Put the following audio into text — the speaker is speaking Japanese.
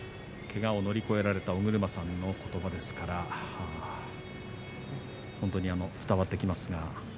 けがを乗り越えられた尾車さんのことばですから本当に伝わってきますが。